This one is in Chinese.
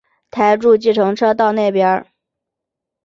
搭著计程车到那边